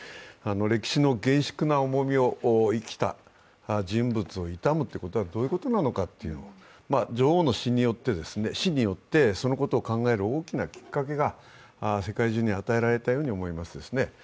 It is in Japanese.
歴史の厳粛な重みを生きた人物を悼むということはどういうことなのか、女王の死によって、そのことを考える大きなきっかけが世界中に与えられたように思いますね。